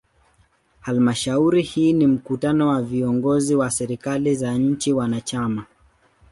Halmashauri hii ni mkutano wa viongozi wa serikali za nchi wanachama.